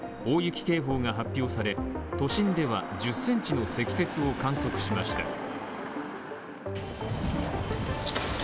大雪警報が発表され、都心では１０ｃｍの積雪を観測しました。